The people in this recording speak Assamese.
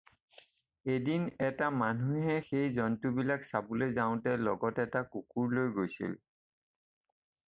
এদিন এটা মানুহে সেই জন্তুবিলাক চাবলৈ যাওঁতে লগত এটা কুকুৰ লৈ গৈছিল।